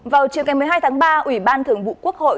vào chiều ngày một mươi hai tháng ba ủy ban thường vụ quốc hội